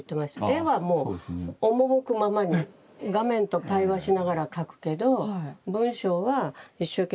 絵はもう赴くままに画面と対話しながら描くけど文章は一生懸命考え。